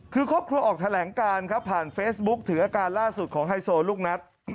คือครอบครัวออกแถลงการครับผ่านเฟซบุ๊คถึงอาการล่าสุดของไฮโซลูกนัท